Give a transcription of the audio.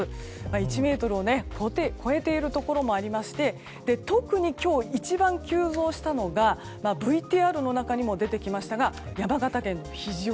１ｍを超えているところもありまして特に、今日一番急増したのがＶＴＲの中にも出てきましたが山形県の肘折。